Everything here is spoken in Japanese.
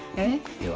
では。